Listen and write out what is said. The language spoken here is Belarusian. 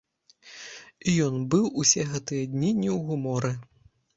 І ён быў усе гэтыя дні не ў гуморы.